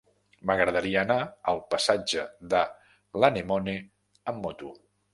M'agradaria anar al passatge de l'Anemone amb moto.